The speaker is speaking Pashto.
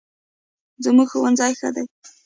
زموږ ښوونځی ښه دی